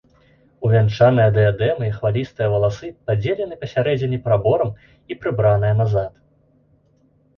Увянчаныя дыядэмай хвалістыя валасы падзелены пасярэдзіне праборам і прыбраныя назад.